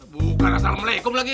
bukan assalamualaikum lagi